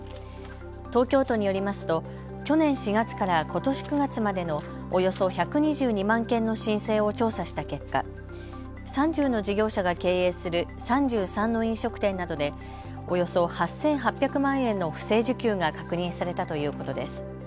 東京都によりますと去年４月からことし９月までのおよそ１２２万件の申請を調査した結果、３０の事業者が経営する３３の飲食店などでおよそ８８００万円の不正受給が確認されたということです。